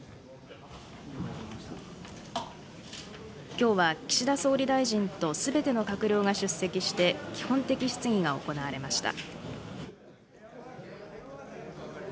きょうは岸田総理大臣とすべての閣僚が出席して、基本的質疑が行われました。